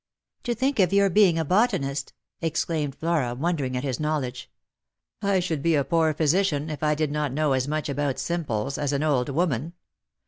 " To think of your being a botanist !" exclaimed Flora, won dering at his knowledge. Lost for Love. 135 " I shjuld be a poor physician if I did not know as much about simples as an old woman.